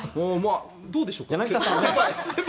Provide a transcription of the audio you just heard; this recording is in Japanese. どうでしょうか。